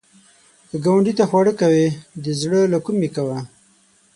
که ګاونډي ته خواړه کوې، د زړه له کومي کوه